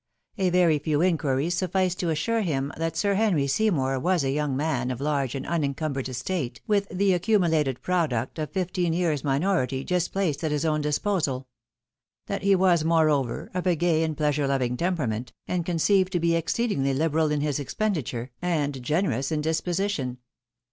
A very few inquiries sufficed to assure tiim that Sir Henry Seymour was a young man of large and unencimabered estate, with the accmnulated product of fifteen years' minority just placed at his own disposal. That he was, moreover, of a gay and pleasure loving temperament, and con ceived to be exceedingly hberal in his expenditure, and generous in disposition.